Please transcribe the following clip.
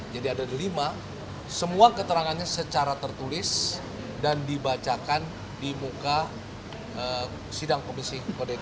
jadi ada lima semua keterangannya secara tertulis dan dibacakan di muka sidang komisi kdt